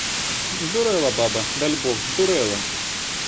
Здурэла баба, дальбог, здурэла.